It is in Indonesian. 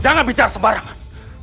jangan bicara sembarangan